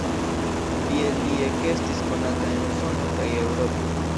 Tiel li ekestis konata en Usono kaj Eŭropo.